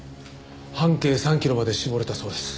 半径３キロまで絞れたそうです。